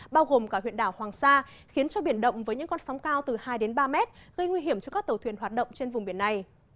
bao gồm cả huyện đảo hoàng sa khiến cho biển động với những con sóng cao từ hai đến ba mét gây nguy hiểm cho các tàu thuyền hoạt động trên vùng biển này